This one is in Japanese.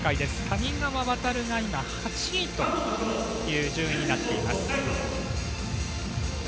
谷川航が今、８位という順位になっています。